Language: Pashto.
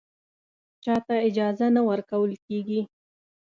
چا ته اجازه نه ورکول کېږي